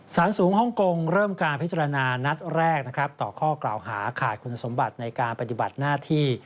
สารสูงฮ่องกงเริ่มการพิจารณานัดแรกนะครับต่อข้อกล่าวหาขาดคุณสมบัติในการปฏิบัติหน้าที่